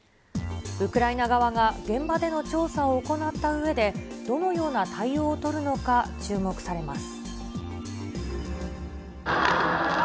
ウクライナ側が現場での調査を行ったうえで、どのような対応を取るのか注目されます。